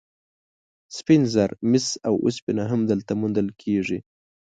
سپین زر، مس او اوسپنه هم دلته موندل کیږي.